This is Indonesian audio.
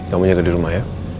kamu jaga di rumah ya